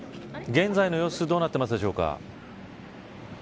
現在の様子どうなっているでしょうか。